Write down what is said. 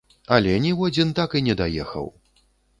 Але ніводзін так і не даехаў.